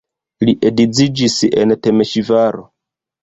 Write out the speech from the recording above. Li edziĝis en Temeŝvaro.